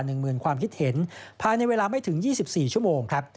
หนึ่งเมืองความคิดเห็นภายในเวลาไม่ถึง๒๔ชั่วโมง